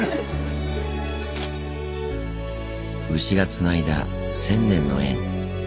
牛がつないだ１，０００年の縁。